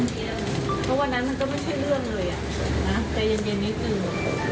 เพราะวันนั้นมันก็ไม่ใช่เรื่องเลยนะใจเย็นนิดนึง